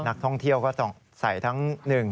หนักท่องเที่ยวก็ต้องใส่ทั้ง